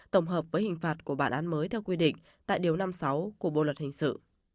tổng hợp với hình phạt của bản án mới theo quy định tại điều năm mươi sáu của bộ luật hình sự